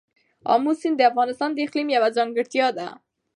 آمو سیند د افغانستان د اقلیم یوه ځانګړتیا ده.